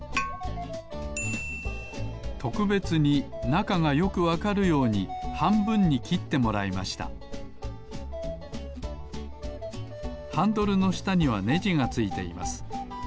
とくべつになかがよくわかるようにはんぶんにきってもらいましたハンドルのしたにはねじがついています。